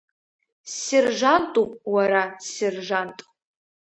Ссержантуп, уара, ссержант…